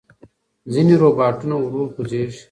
ځینې روباټونه ورو خوځېږي.